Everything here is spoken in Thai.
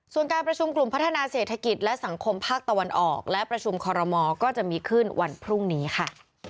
ส่วนการประชุมกลุ่มพัฒนาเศรษฐกิจและสังคมภาคตะวันออกและประชุมคอรมอก็จะมีขึ้นวันพรุ่งนี้ค่ะ